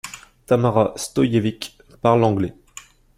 Tamara Stojčević parle anglais.